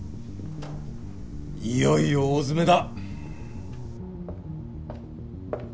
いよいよ大詰めだ